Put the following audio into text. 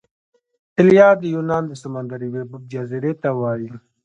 ایلیا د یونان د سمندر یوې جزیرې ته وايي.